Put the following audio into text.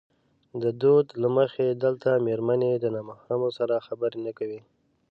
د دود له مخې دلته مېرمنې د نامحرمو سره خبرې نه کوي.